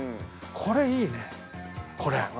これいいねこれ。